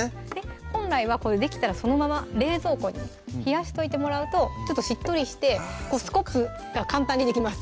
本来はこれできたらそのまま冷蔵庫に冷やしといてもらうとちょっとしっとりしてスコップが簡単にできます